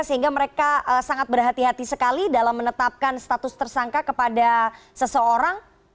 sehingga mereka sangat berhati hati sekali dalam menetapkan status tersangka kepada seseorang